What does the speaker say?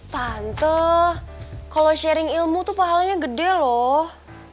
tante kalau sharing ilmu tuh pahalanya gede loh